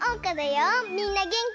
みんなげんき？